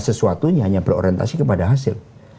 dan kemudian setelah itu hanya berorientasi kepada hasil